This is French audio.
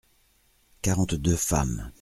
Quarante-deux femmes.